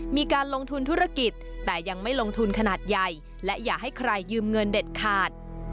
มีการลงทุนธุรกิจแต่ยังไม่ลงทุนขนาดใหญ่และอย่าให้ใครยืมเงินเด็ดขาด